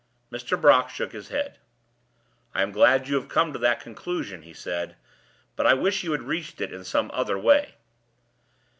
Mr. Brock shook his head. "I am glad you have come to that conclusion," he said. "But I wish you had reached it in some other way."